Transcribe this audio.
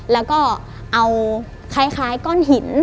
แล้วก็เอาคล้ายก้อนหิน